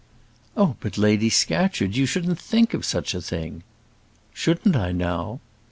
"Oh! but, Lady Scatcherd, you shouldn't think of such a thing." "Shouldn't I now?"